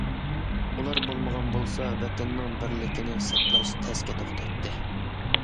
ئۇلار بولمىغان بولسا، ۋەتەننىڭ بىرلىكىنى ساقلاش تەسكە توختايتتى.